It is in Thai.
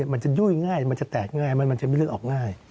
มันจะยุ่ยง่ายมันจะแตกง่ายมันจะไม่เลือดออกง่าย